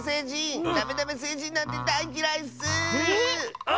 ダメダメせいじんなんてだいっきらいッスー！